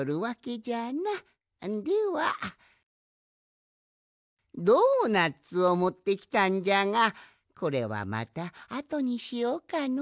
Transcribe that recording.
ではドーナツをもってきたんじゃがこれはまたあとにしようかのう。